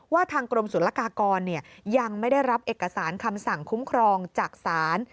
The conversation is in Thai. ทางกรมศุลกากรยังไม่ได้รับเอกสารคำสั่งคุ้มครองจากศาล